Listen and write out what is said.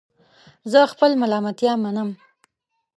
زه خپل ملامتیا منم